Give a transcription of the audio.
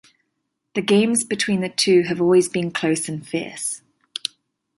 The games between the two have always been close and fierce.